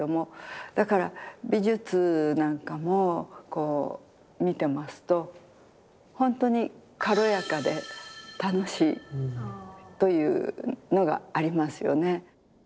だから美術なんかもこう見てますと本当に軽やかで楽しいというのがありますよね。